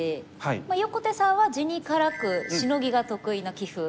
横手さんは地に辛くシノギが得意な棋風。